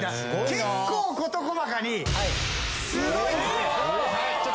結構事細かにすごいんですよ。